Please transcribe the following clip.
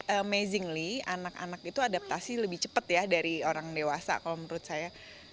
amazingly anak anak itu adaptasi lebih cepat ya dari orang dewasa kalau menurut saya